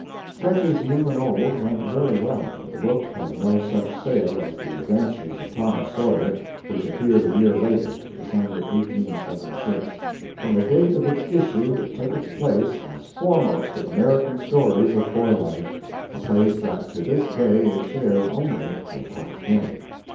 "Sketches New and Old" went very well, but the book had no such sale as "The Adventures of Tom Sawyer," which appeared a year later, December, 1876. From the date of its issue it took its place as foremost of American stories of boy life, a place that to this day it shares only with "Huck Finn."